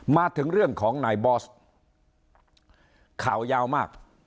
มาถึงเรื่องของนายบอสข่าวยาวมาก